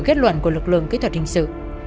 đây là kết luận của lực lượng kỹ thuật hình sự